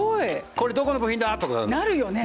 「これどこの部品だ？」とか。なるよね。